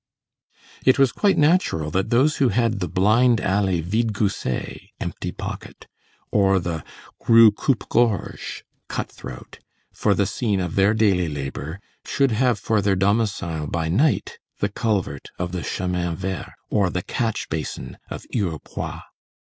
It was quite natural, that those who had the blind alley Vide Gousset, [Empty Pocket] or the Rue Coupe Gorge [Cut Throat], for the scene of their daily labor, should have for their domicile by night the culvert of the Chemin Vert, or the catch basin of Hurepoix.